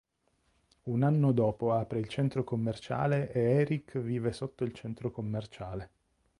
Un anno dopo apre il centro commerciale e Eric vive sotto il centro commerciale.